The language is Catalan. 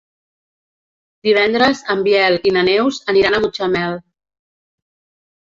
Divendres en Biel i na Neus aniran a Mutxamel.